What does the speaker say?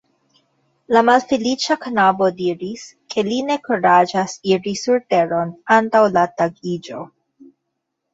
La malfeliĉa knabo diris, ke li ne kuraĝas iri surteron antaŭ la tagiĝo.